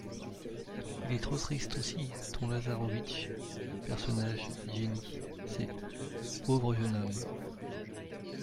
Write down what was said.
Il est trop triste aussi, ton LAZAROWITCH. {{personnage|JEN NY.|c}} Pauvre jeune homme …